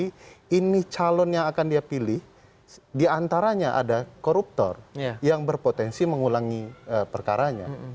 jadi calon yang akan dia pilih diantaranya ada koruptor yang berpotensi mengulangi perkaranya